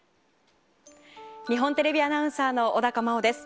日本テレビアナウンサーの小高茉緒です。